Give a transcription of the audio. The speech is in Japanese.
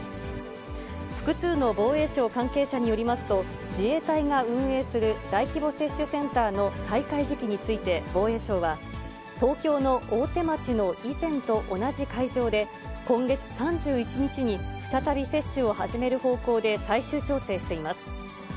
複数の防衛省関係者によりますと、自衛隊が運営する大規模接種センターの再開時期について防衛省は、東京の大手町の以前と同じ会場で、今月３１日に再び接種を始める方向で最終調整しています。